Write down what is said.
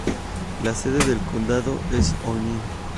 La sede del condado es O’Neill.